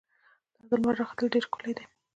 دا د لمر راختل ډېر ښکلی دي.